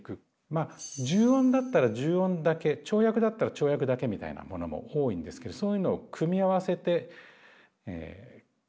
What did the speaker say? まあ重音だったら重音だけ跳躍だったら跳躍だけみたいなものも多いんですけどそういうのを組み合わせて。